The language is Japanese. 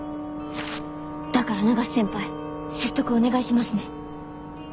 だから永瀬先輩説得お願いしますね。